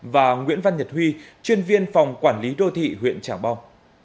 và nguyễn văn nhật huy chuyên viên phòng quản lý đô thị huyện tràng bom